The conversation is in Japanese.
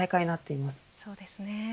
そうですね。